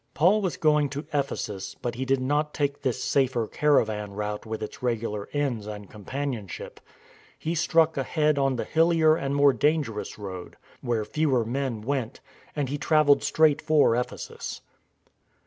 Paul was going to Ephesus, but he did not take this safer caravan route with its regular inns and companionship. He struck ahead on the hillier and more dangerous road, where fewer men went, ' See chapter xviii. 248 STORM AND STRESS and he travelled straight for Ephesus.